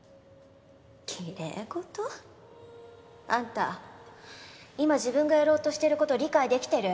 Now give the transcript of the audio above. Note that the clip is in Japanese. きれい事？あんた今自分がやろうとしていること理解できてる？